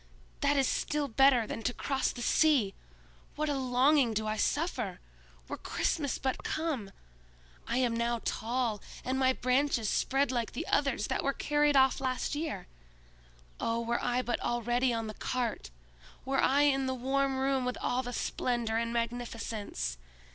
"That is still better than to cross the sea! What a longing do I suffer! Were Christmas but come! I am now tall, and my branches spread like the others that were carried off last year! Oh, were I but already on the cart! Were I in the warm room with all the splendor and magnificence!